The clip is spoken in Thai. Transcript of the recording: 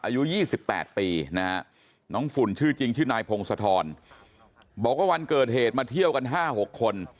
อายุ๒๘ปีนะฮะน้องฝุ่นชื่อจริงชื่อนายพงศธรบอกว่าวันเกิดเหตุมาเที่ยวกัน๕๖คน